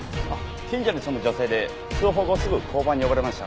近所に住む女性で通報後すぐ交番に呼ばれました。